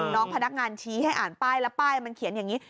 น้องพนักงานชี้ให้อ่านป้ายแล้วป้ายมันเขียนอย่างนี้